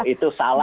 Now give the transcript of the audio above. itu salah lho